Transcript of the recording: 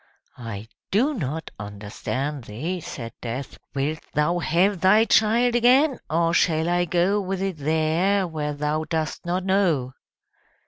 "I do not understand thee!" said Death. "Wilt thou have thy child again, or shall I go with it there, where thou dost not know!"